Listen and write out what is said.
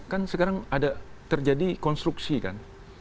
kan sekarang ada terjadi konstruksi kan